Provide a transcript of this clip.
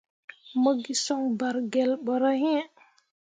Mo gi soŋ bargelle ɓorah iŋ.